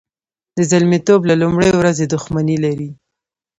د زلمیتوب له لومړۍ ورځې دښمني لري.